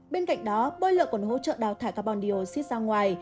bên cạnh đó bơi lội còn hỗ trợ đào thải carbon dioxide ra ngoài